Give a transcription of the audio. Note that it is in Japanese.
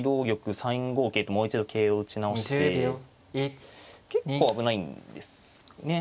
３五桂ともう一度桂を打ち直して結構危ないんですね。